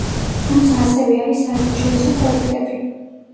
თუმცა ასევე არის საერთაშორისო პროექტები.